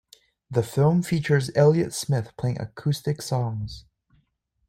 The film features Elliott Smith playing acoustic songs.